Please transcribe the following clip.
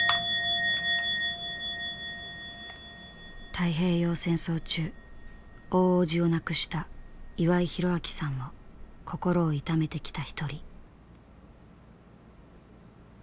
太平洋戦争中大伯父を亡くした岩井弘明さんも心を痛めてきた一人。